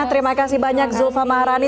terima kasih banyak zulfa maharani